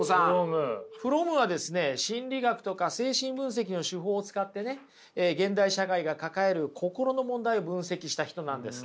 フロムはですね心理学とか精神分析の手法を使ってね現代社会が抱える心の問題を分析した人なんです。